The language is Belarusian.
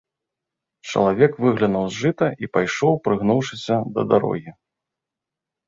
Чалавек выглянуў з жыта і пайшоў, прыгнуўшыся, да дарогі.